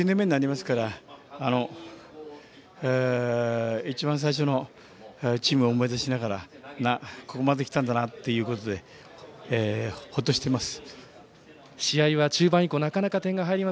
チーム始めて作りながらの１０年目になりますから一番最初のチームを思い出しながらここまで来たんだなということでほっとしています。